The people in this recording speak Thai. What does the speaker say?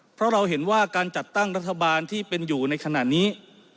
เพราะเราเห็นว่าการจัดตั้งรัฐบาลที่เป็นอยู่ในขณะนี้